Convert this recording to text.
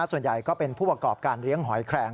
ส่วนใหญ่ก็เป็นผู้ประกอบการเลี้ยงหอยแคลง